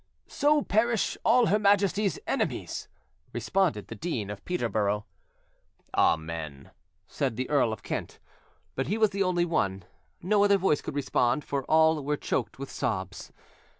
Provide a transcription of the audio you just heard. "So perish all Her Majesty's enemies!" responded the Dean of Peterborough. "Amen," said the Earl of Kent; but he was the only one: no other voice could respond, for all were choked with sobs.